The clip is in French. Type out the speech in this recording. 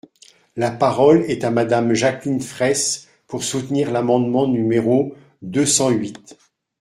La parole est à Madame Jacqueline Fraysse, pour soutenir l’amendement numéro deux cent huit.